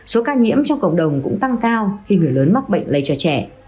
số ca nhiễm trong cộng đồng cũng tăng cao khi người lớn mắc bệnh lây cho trẻ